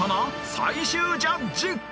最終ジャッジ］